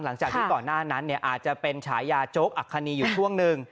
หลังจากที่ก่อนหน้านั้นอาจจะเป็นฉายาโจ๊กอัคคณีอยู่ช่วงหนึ่ง